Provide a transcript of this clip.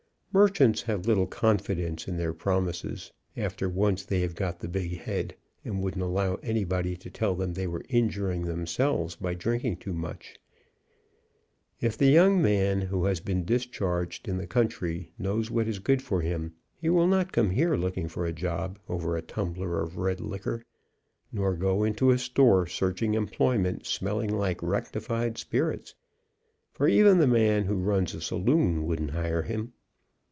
Merchants have little confidence in their promises, after once they have got the big head, and wouldn't allow anybody to tell them they were injur ing themselves by drinking too much. If the young THE OLD KICKER KICKS l8l man who has been discharged in the country knows what is good for him he will not come here looking for a job over a tumbler of red liquor, nor go into a store searching employment, smelling like rec tified spirits, for even the man who runs a saloon wouldn't hire him.